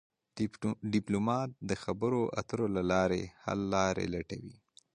ډيپلومات د خبرو اترو له لارې حل لارې لټوي.